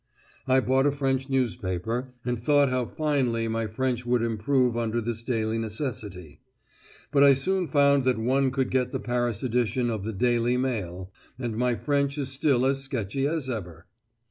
I bought a French newspaper, and thought how finely my French would improve under this daily necessity; but I soon found that one could get the Paris edition of the Daily Mail, and my French is still as sketchy as ever!